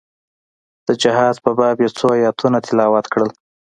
د جهاد په باب يې څو ايتونه تلاوت کړل.